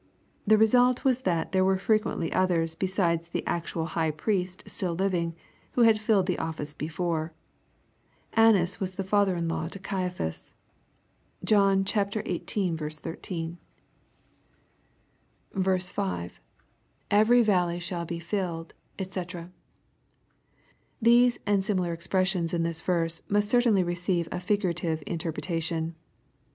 The result was that there were frequently others besides the actual high priost still living, who had filled the office before. Annas was &the/ in law to Caiapbas. (John zviii 13.) 88 EXPOSITOBT THOUGHTS. ^. ^Bvery valtey shall be filled, (kc] These and similar expressions la this verse must certainly receive a figurative interpretation.